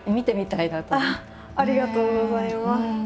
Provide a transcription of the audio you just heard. ありがとうございます。